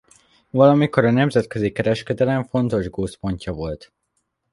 Valamikor a nemzetközi kereskedelem fontos gócpontja volt.